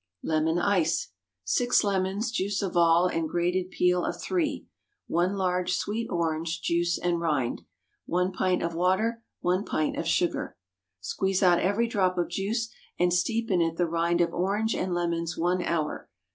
LEMON ICE. ✠ 6 lemons—juice of all, and grated peel of three. 1 large sweet orange—juice and rind. 1 pint of water. 1 pint of sugar. Squeeze out every drop of juice, and steep in it the rind of orange and lemons one hour.